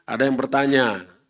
ada yang bertanya